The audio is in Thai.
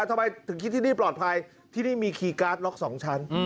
ทำไมถึงคิดที่นี่ปลอดภัยที่นี่มีคีย์การ์ดล็อกสองชั้น